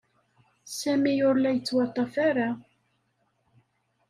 Sami ur la yettwaṭṭaf ara.